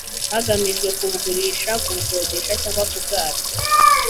hagamijwe kubugurisha kubukodesha cyangwa kubwata